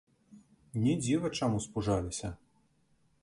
Не дзіва, чаму спужаліся.